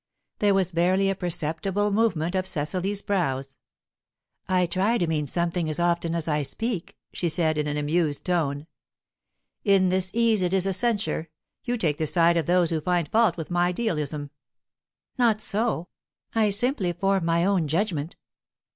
There was barely a perceptible movement of Cecily's brows. "I try to mean something as often as I speak," she said, in an amused tone. "In this ease it is a censure. You take the side of those who find fault with my idealism." "Not so; I simply form my own judgment." Mr.